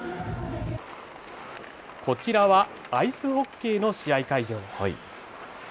こちらはアイスホッケーの試合会場。